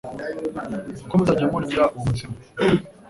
"uko muzajya murya uwo mutsima,